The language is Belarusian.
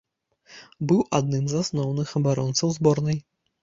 Быў адным з асноўных абаронцаў зборнай.